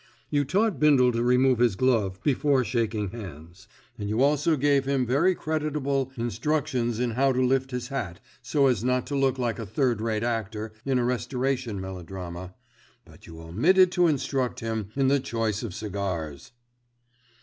"You taught Bindle to remove his glove before shaking hands, and you also gave him very creditable instructions in how to lift his hat so as not to look like a third rate actor in a Restoration melodrama; but you omitted to instruct him in the choice of cigars."